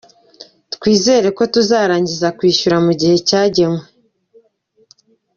Twizeye ko tuzarangiza kwishyura mu gihe cyagenwe.”